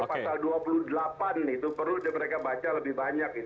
pasal dua puluh delapan itu perlu mereka baca lebih banyak